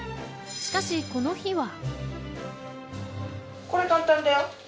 しかし、この日は。